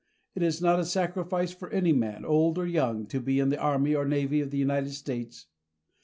It is not a sacrifice for any man, old or young, to be in the Army or the Navy of the United States.